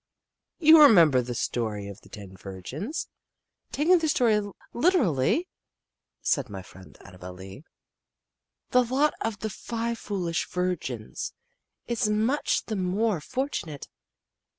"You remember the story of the Ten Virgins? Taking the story literally," said my friend Annabel Lee, "the lot of the five Foolish Virgins is much the more fortunate.